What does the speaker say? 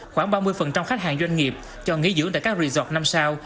khoảng ba mươi khách hàng doanh nghiệp chọn nghỉ dưỡng tại các resort năm sao